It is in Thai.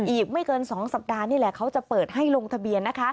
อีกไม่เกิน๒สัปดาห์นี่แหละเขาจะเปิดให้ลงทะเบียนนะคะ